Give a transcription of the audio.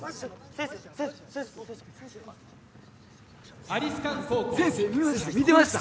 ・先生先生見ました？